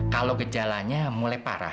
kalau gejalanya mulai parah